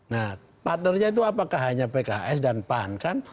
nah partnernya itu apakah hanya pks dan pan kan